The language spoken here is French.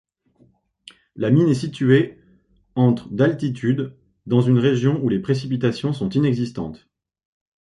La mine est située entre d'altitude, dans une région où les précipitations sont inexistantes.